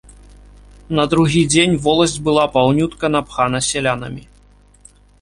На другі дзень воласць была паўнютка напхана сялянамі.